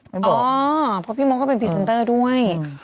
เพราะพี่โม๊คก็เป็นพรีเซนเตอร์ด้วย